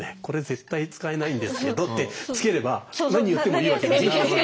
これ絶対使えないんですけどってつければ何言ってもいいわけだから。